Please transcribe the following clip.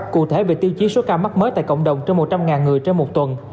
cụ thể về tiêu chí số ca mắc mới tại cộng đồng trên một trăm linh người trên một tuần